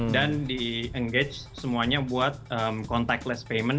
dan di engage semuanya buat contactless payment